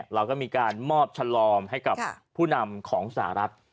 เราก็มีการมอบฉลอมให้กับผู้นำของสหรัฐ